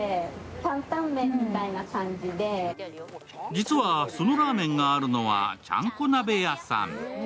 実は、そのラーメンがあるのはちゃんこ鍋屋さん。